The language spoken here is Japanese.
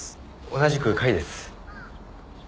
同じく甲斐です。